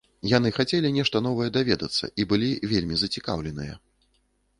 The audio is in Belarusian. Яны хацелі нешта новае даведацца і былі вельмі зацікаўленыя.